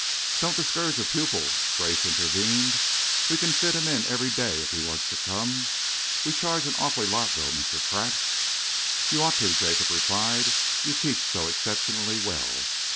"Don't discourage a pupil," Grace intervened. "We can fit him in every day, if he wants to come. We charge an awful lot though, Mr. Pratt." "You ought to," Jacob replied. "You teach so exceptionally well.